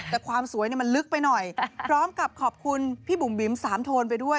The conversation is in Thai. แต่ความสวยมันลึกไปหน่อยพร้อมกับขอบคุณพี่บุ๋มบิ๋มสามโทนไปด้วย